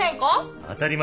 当たり前だ。